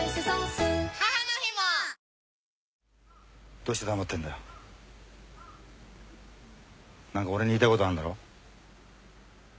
どうして黙ってんだ何か俺に言いたいことあんだろ？